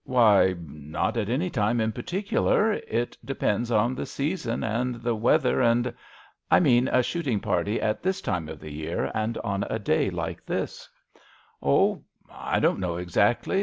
Why, not at any time in particular ; it depends on the season and the weather and " "I mean a shooting party at this time of the year, and on a day like this/* "Oh, I don't know exactly.